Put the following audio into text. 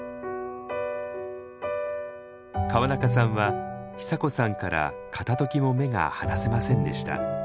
川中さんは久子さんから片ときも目が離せませんでした。